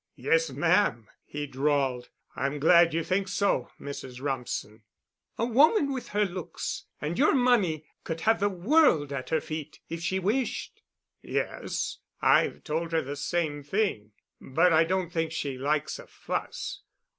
"Yes, ma'am," he drawled. "I'm glad you think so, Mrs. Rumsen." "A woman with her looks and your money could have the world at her feet if she wished." "Yes. I've told her the same thing. But I don't think she likes a fuss.